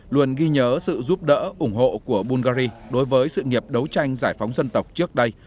luôn ghi nhớ sự giúp đỡ ủng hộ của bungary đối với sự nghiệp đấu tranh giải phóng dân tộc trước đây